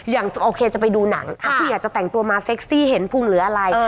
อย่างโอเคจะไปดูหนังถ้าพี่อยากจะแต่งตัวมาเซ็กซี่เห็นพุงหรืออะไร